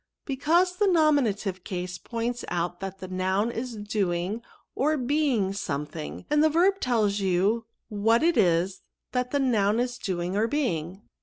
Because the nominative case points out that the noun is doing or being something ; and the verb tells you what it is that the noun is doing or being."